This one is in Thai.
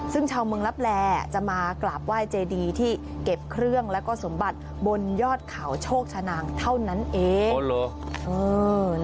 ซึ่งชาวเมืองลับแลจะมากราบไหว้เจดีที่เก็บเครื่องแล้วก็สมบัติบนยอดเขาโชคชนางเท่านั้นเอง